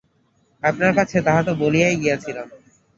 আপনার কাছে তাহা তো বলিয়াই গিয়াছিলাম।